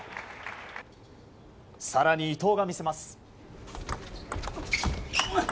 更に、伊藤が見せます。